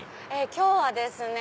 今日はですね